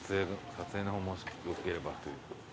撮影の方もしよければという。